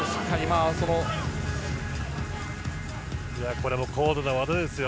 これも高度な技ですよ。